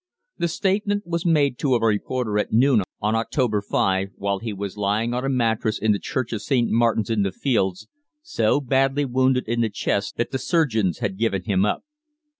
The statement was made to a reporter at noon on October 5, while he was lying on a mattress in the Church of St. Martin's in the Fields, so badly wounded in the chest that the surgeons had given him up.